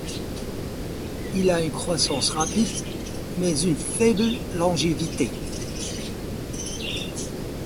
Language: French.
Il a une croissance rapide, mais une faible longévité.